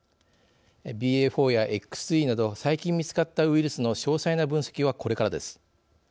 ＢＡ．４やＸＥなど最近見つかったウイルスの詳細な分析は、これからです。